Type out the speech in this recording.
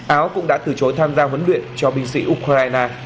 áo cũng đã từ chối tham gia huấn luyện cho binh sĩ ukraine